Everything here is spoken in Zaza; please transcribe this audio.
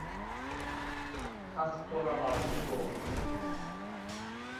Heq to ra razî bo